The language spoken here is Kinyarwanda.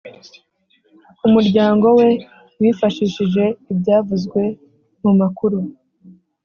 Umuryango we wifashishije ibyavuzwe mu makuru